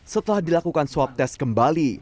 setelah dilakukan swab test kembali